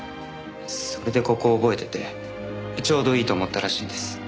それでここを覚えててちょうどいいと思ったらしいです。